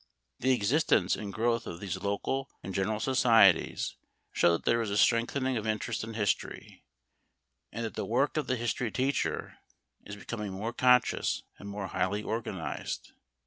The existence and growth of these local and general societies show that there is a strengthening of interest in history, and that the work of the history teacher is becoming more conscious and more highly organized.